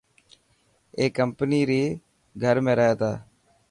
اي ڪمپني ري گهر ۾ رهي تا.